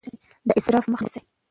د اسراف مخه ونیسئ.